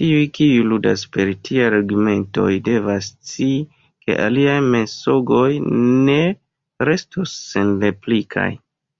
Tiuj, kiuj ludas per tiaj argumentoj, devas scii, ke iliaj mensogoj ne restos senreplikaj.